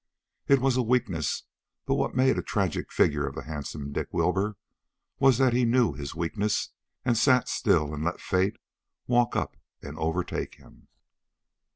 It was a weakness, but what made a tragic figure of handsome Dick Wilbur was that he knew his weakness and sat still and let fate walk up and overtake him.